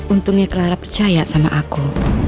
untungnya clara percaya sama aku